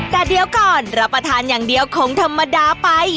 แต่เดี๋ยวก่อนรับประทานอย่างเดียวคงธรรมดาไป